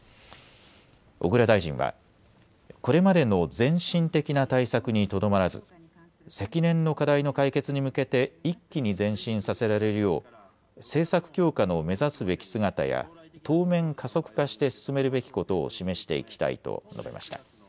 小倉大臣はこれまでの漸進的な対策にとどまらず積年の課題の解決に向けて一気に前進させられるよう政策強化の目指すべき姿や当面、加速化して進めるべきことを示していきたいと述べました。